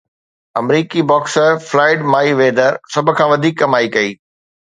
آمريڪي boxer Floyd Mayweather سڀ کان وڌيڪ ڪمائي ڪئي